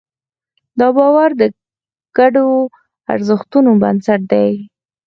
دا باور د ګډو ارزښتونو بنسټ دی.